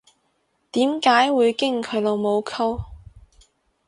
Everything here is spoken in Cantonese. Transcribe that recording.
點解會經佢老母溝